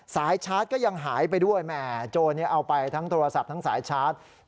สายชาร์จก็ยังหายไปด้วยแหมโจรเอาไปทั้งโทรศัพท์ทั้งสายชาร์จ